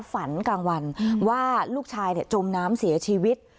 ฝันกลางวันว่าลูกชายจมน้ำเสียชีวิต